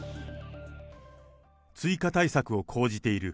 追加対策を講じている。